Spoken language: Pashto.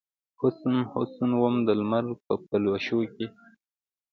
حسن ، حسن وم دلمر په پلوشو کې